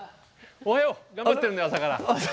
おはよう、頑張っているね朝から。